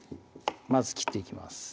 まず切っていきます